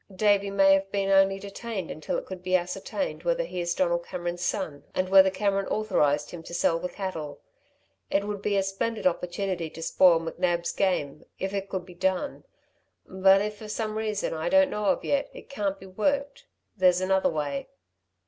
Davey may have been only detained until it could be ascertained whether he is Donald Cameron's son and whether Cameron authorised him to sell the cattle. It would be a splendid opportunity to spoil McNab's game, if it could be done.... But if, for some reason I don't know of yet, it can't be worked, there's another way."